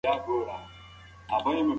شونډي شربت کړه ماله يې راکړه